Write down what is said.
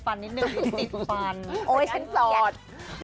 ไม่ติดเลย